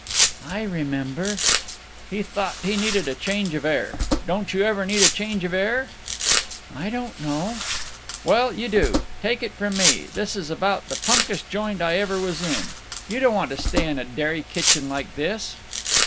"I remember." "He thought he needed a change of air. Don't you ever need a change of air?" "I don't know." "Well, you do. Take it from me. This is about the punkest joint I ever was in. You don't want to stay in a dairy kitchen like this."